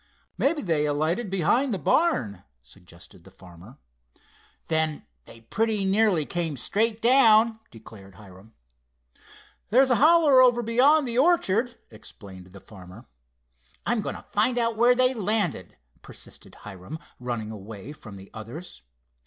"Mebbe they alighted behind the barn," suggested the farmer. "Then they pretty nearly came straight down," declared Hiram. "There's a holler over beyond the orchard," explained the farmer. "I'm going to find out where they landed," persisted Hiram, running away from the others.